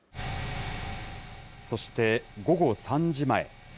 そして、午後３時前。